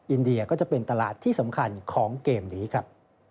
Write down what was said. อินเดียก็จะเป็นตลาดที่สำคัญของเกมนี้ครับ